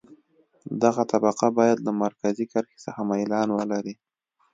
دغه طبقه باید له مرکزي کرښې څخه میلان ولري